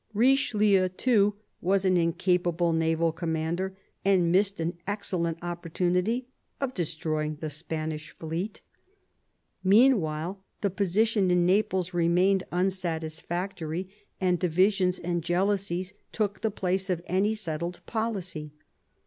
Richelieu, too, was an incapable naval commander, and missed an excellent opportunity of destroying the Spanish fleet. Meanwhile the position in Naples remained unsatisfactory, and divisions and jealousies took the place of any settled policy.